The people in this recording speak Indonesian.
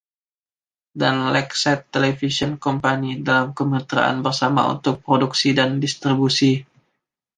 dan Lakeside Television Company dalam kemitraan bersama untuk produksi dan distribusi.